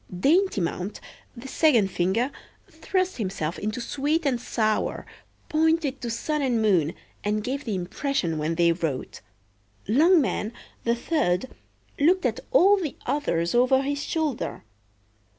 Daintymount, the second finger, thrust himself into sweet and sour, pointed to sun and moon, and gave the impression when they wrote. Longman, the third, looked at all the others over his shoulder.